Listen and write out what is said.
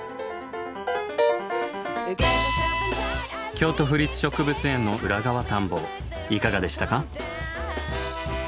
京都府立植物園の裏側探訪いかがでしたか？